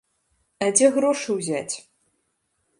А дзе грошы ўзяць?